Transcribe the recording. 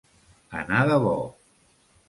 Anar de bo.